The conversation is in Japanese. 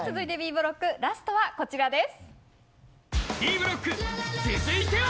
ブロックラストはこちらです。